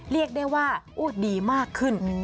เรียกได้ว่าดีมากขึ้น